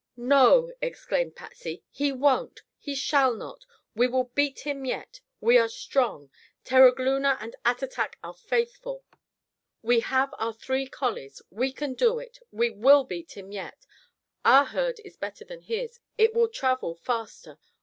"No!" exclaimed Patsy, "He won't! He shall not! We will beat him yet. We are strong. Terogloona and Attatak are faithful. We have our three collies. We can do it. We will beat him yet. Our herd is better than his. It will travel faster.